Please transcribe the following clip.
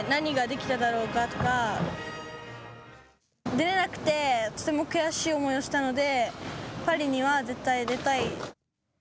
出れなくてとても悔しい思いをしたのでパリには絶対出たい。